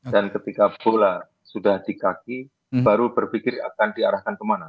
dan ketika bola sudah di kaki baru berpikir akan diarahkan kemana